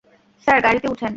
Sir, গাড়িতে উঠেন।